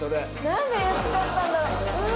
なんで言っちゃったんだろう？